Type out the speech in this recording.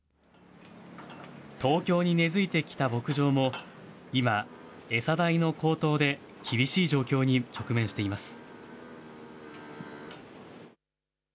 東京に根づいてきた牧場も、今、餌代の高騰で厳しい状況に直面しています。